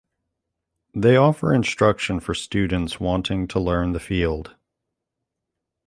They offer instruction for students wanting to learn the field.